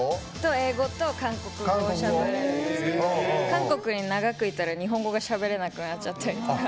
英語と韓国語をしゃべれるんですけど韓国に長くいたら日本語がしゃべれなくなっちゃって。